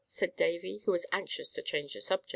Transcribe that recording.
said Davy, who was anxious to change the subject.